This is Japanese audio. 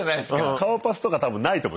顔パスとか多分ないと思う。